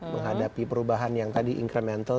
menghadapi perubahan yang tadi incremental